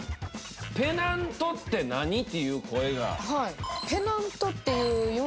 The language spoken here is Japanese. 「ペナントって何？」っていう声が。